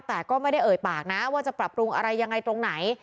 แต่ก็ไม่ได้เอ่ยปากนะว่าจะปรับปรุงอะไรยังไงตรงไหน